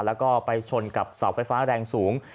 แล้วก็ไปชนกับเสาไฟฟ้าแรงสูง